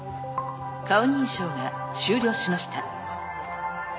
顔認証が終了しました。